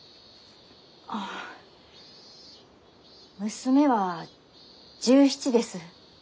娘は１７です。